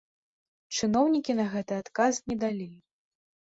Чыноўнікі на гэта адказ не далі.